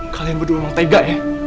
kalian berdua memang tega ya